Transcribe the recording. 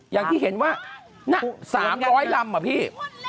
อย่างที่เห็นว่า๓๐๐ลำอะพี่